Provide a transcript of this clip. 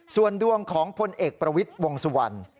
ส่วนดวงของพลเอกประวิทย์วงสุวรรณ